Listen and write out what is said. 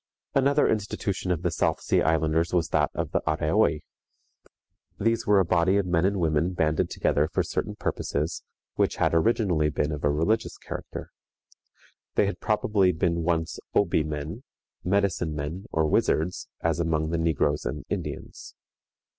Another institution of the South Sea Islanders was that of the Areoi. These were a body of men and women banded together for certain purposes, which had originally been of a religious character. They had probably been once Obi men, medicine men, or wizards, as among the negroes and Indians.